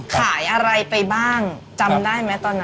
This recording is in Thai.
ขายอะไรไปบ้างจำได้ไหมตอนนั้น